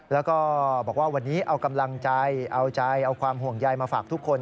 แล้วก็บอกว่าวันนี้เอากำลังใจเอาใจเอาความห่วงใยมาฝากทุกคน